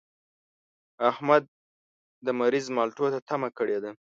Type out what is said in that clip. احمد د مريض مالټو ته تمه کړې ده.